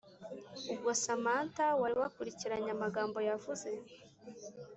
ubwo samantha wari wakurikiranye amagambo yavuze